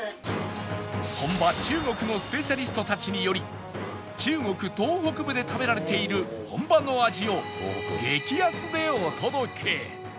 本場中国のスペシャリストたちにより中国東北部で食べられている本場の味を激安でお届け